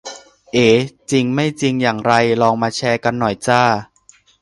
เอ๋ ! ? จริงไม่จริงอย่างไร ลองมาแชร์กันหน่อยจ้า